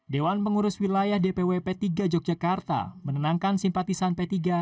dewan pengurus wilayah dpw p tiga yogyakarta menenangkan simpatisan p tiga